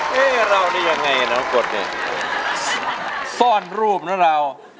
เฮ้เราเนี่ยยังไงน้องกฎเนี่ยซ่อนรูปนะเรา